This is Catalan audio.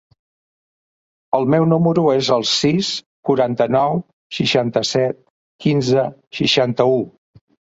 El meu número es el sis, quaranta-nou, seixanta-set, quinze, seixanta-u.